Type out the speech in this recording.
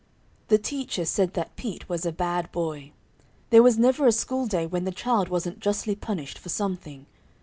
The teacher said that Pete was a bad boy. There was never a school day when the child wasn't justly punished for something.